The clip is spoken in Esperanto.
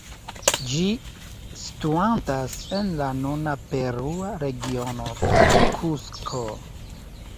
Ĝi situantas en la nuna perua regiono Kusko.